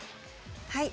はい。